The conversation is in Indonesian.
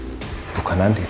perempuan itu bukan andin